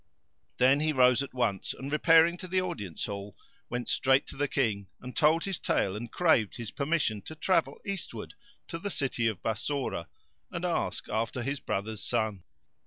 Then he rose at once and, repairing to the audience hall, went straight to the King and told his tale and craved his permission [FN#451] to travel eastward to the city of Bassorah and ask after his brother's son.